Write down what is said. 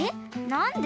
なんで？